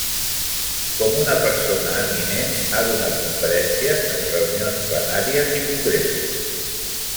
Com una persona eminent ha donat conferències en reunions plenàries i congressos.